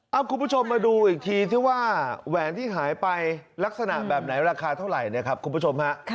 เอาคุณผู้ชมมาดูอีกทีสิว่าแหวนที่หายไปลักษณะแบบไหนราคาเท่าไหร่นะครับคุณผู้ชมฮะ